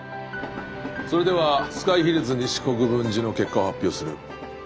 それではスカイヒルズ西国分寺の結果を発表する。